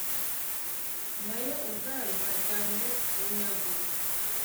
na yo ubwayo ajyanywe bunyago.